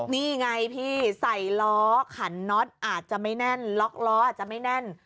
นี่ไงพี่ใส่ล้อขันน็อตอาจจะไม่แน่นล็อกล้ออาจจะไม่แน่น